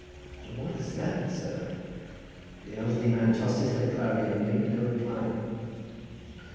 "And what is that?" said I. The elderly man tossed his head proudly, and made no reply.